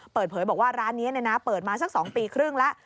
เปิดเผยบอกว่าร้านนี้เปิดมาสัก๒ปีครึ่งแล้ว